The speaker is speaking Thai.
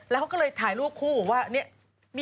แล้วเขาก็เลยถ่ายรูปคู่ว่าเนี่ย